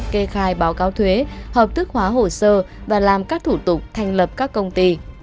kê khai báo cáo thuế hợp thức hóa hồ sơ và làm các thủ tục thành lập các công ty